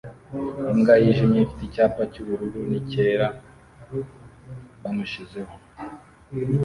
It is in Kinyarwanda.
Imbwa yijimye ifite icyapa cyubururu nicyera bamushyizeho